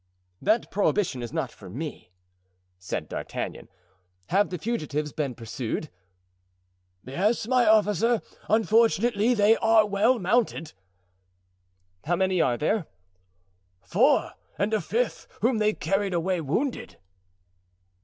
"That prohibition is not for me," said D'Artagnan. "Have the fugitives been pursued?" "Yes, my officer; unfortunately, they are well mounted." "How many are there?" "Four, and a fifth whom they carried away wounded."